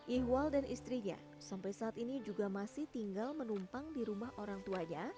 ihwal dan istrinya sampai saat ini juga masih tinggal menumpang di rumah orang tuanya